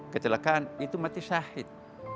kecelakaan itu mati syahid